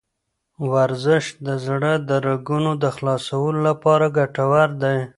ورزش د زړه د رګونو د خلاصولو لپاره ګټور دی.